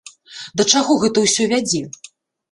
Да чаго гэта ўсё вядзе?